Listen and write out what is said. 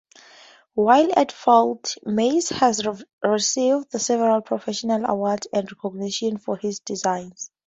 While at Ford, Mays has received several professional awards and recognition for his designs.